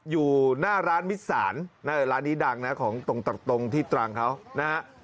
อยู่หน้าร้านมิสานร้านนี้ดังนะของตรงที่ตรังเขานะฮะ